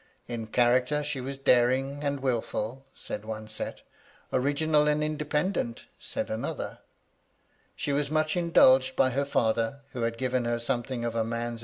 In character she was daring and wilful (said one set) ; original and inde pendent (said another). She was much indulged by her^ father, who had given her something of a man's MY LADY LUDLOW.